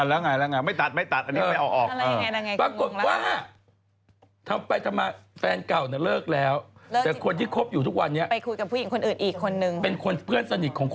อันละไงไม่ตัดอันนี้ไปออก